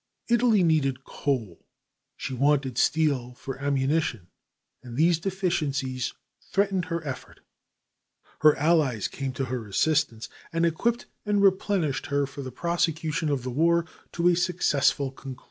Italy needed coal, she wanted steel for ammunition, and these deficiencies threatened her effort. Her allies came to her assistance, and equipped and replenished her for the prosecution of the war to a successful conclusion.